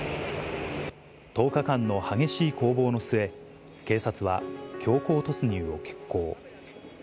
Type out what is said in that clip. １０日間の激しい攻防の末、警察は、強行突入を決行。